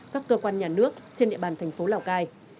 các cơ quan nhà nước trên địa bàn thành phố lào cai